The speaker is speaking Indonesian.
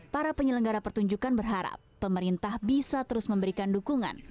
para penyelenggara pertunjukan berharap pemerintah bisa terus memberikan dukungan